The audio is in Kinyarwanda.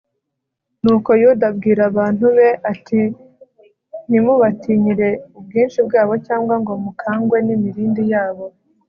nuko yuda abwira abantu be ati ntimubatinyire ubwinshi bwabo cyangwa ngo mukangwe n'imirindi yabo